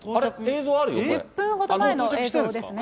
１０分ほど前の映像ですね。